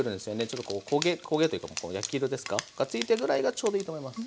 ちょっとこう焦げというか焼き色ですかがついたぐらいがちょうどいいと思います。